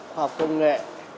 khoa học công nghệ